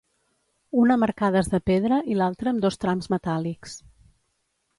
Un amb arcades de pedra i l'altre amb dos trams metàl·lics.